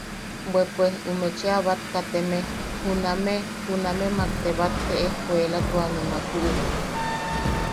Bwe pues ume cheʼa bat kateme juname junamemak te bat te escuelatuane makku.